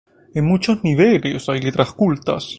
En muchos niveles hay letras ocultas.